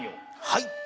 はい！